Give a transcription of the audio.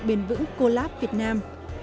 biền vững collab việt nam